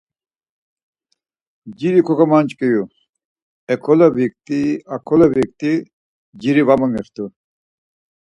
Nciri kogomanç̆k̆iru, ekole vikti akole vikti, nciri va momixtu.